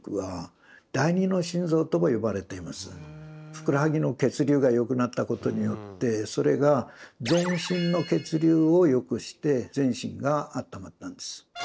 ふくらはぎの血流がよくなったことによってそれが全身の血流をよくして全身があったまったんです。